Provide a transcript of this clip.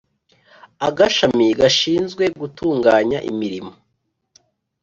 Agashami gashinzwe gutunganya imirimo